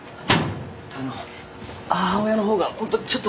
あの母親の方がホントちょっと。